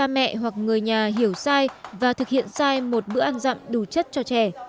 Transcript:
ba mẹ hoặc người nhà hiểu sai và thực hiện sai một bữa ăn dặm đủ chất cho trẻ